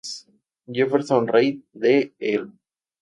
Jefferson Reid de E!